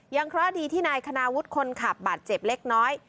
เคราะห์ดีที่นายคณาวุฒิคนขับบาดเจ็บเล็กน้อย